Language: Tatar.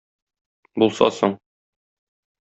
Булса соң!